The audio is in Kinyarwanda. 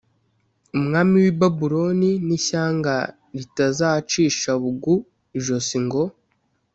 umwami w i babuloni n ishyanga ritazacisha bugu ijosi ngo